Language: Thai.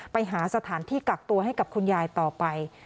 ไปหาสถานที่กักตัวให้กับคุณยายต่อไป